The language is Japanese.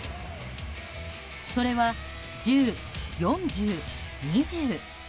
それは１０、４０、２０。